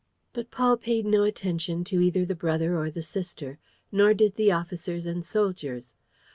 But Paul paid no attention to either the brother or the sister, nor did the officers and soldiers.